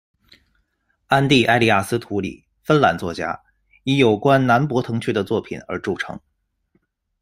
安蒂·埃利亚斯·图里，芬兰作家，以有关南博滕区的作品而着称。